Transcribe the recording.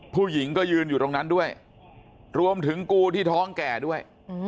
ผู้หญิงก็ยืนอยู่ตรงนั้นด้วยรวมถึงกูที่ท้องแก่ด้วย